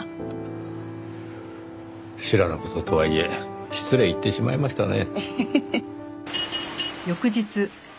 知らぬ事とはいえ失礼言ってしまいましたね。